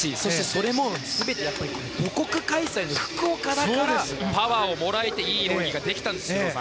それも全て母国開催で福岡だからパワーをもらえていいレースができたんです。